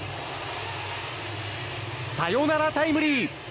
サヨナラタイムリー！